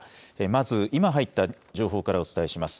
まず、今入った情報からお伝えします。